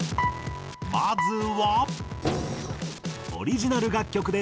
まずは。